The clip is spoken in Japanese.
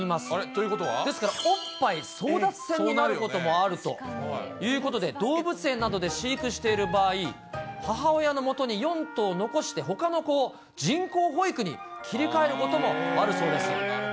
ですからおっぱい争奪戦になるということもあるということで、動物園などで飼育している場合、母親のもとに４頭残してほかの子を人工保育に切り替えることもあるそうです。